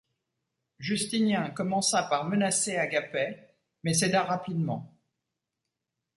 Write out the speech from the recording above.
Justinien commença par menacer Agapet, mais céda rapidement.